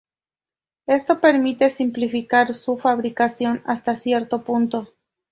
Esto permite simplificar su fabricación hasta cierto punto.